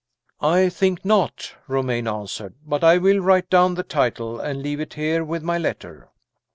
"I think not," Romayne answered; "but I will write down the title, and leave it here with my letter."